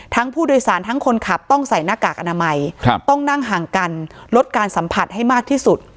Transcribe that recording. ผู้โดยสารทั้งคนขับต้องใส่หน้ากากอนามัยต้องนั่งห่างกันลดการสัมผัสให้มากที่สุด